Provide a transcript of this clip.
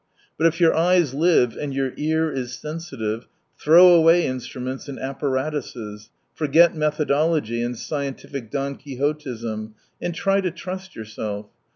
But if your eyes live and your ear is Sensitive ^throw away instruments and apparatuses, forget methodology and scientific Don Quixotism, and try to trust yourself.